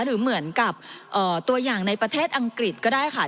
หรือเหมือนกับตัวอย่างในประเทศอังกฤษก็ได้ค่ะ